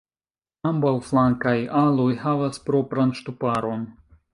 Ambaŭ flankaj aloj havas propran ŝtuparon.